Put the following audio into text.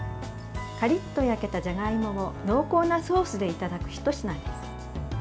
カリッと焼けたじゃがいもを濃厚なソースでいただくひと品です。